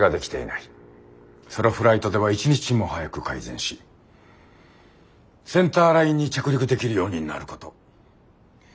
ソロフライトでは一日も早く改善しセンターラインに着陸できるようになること。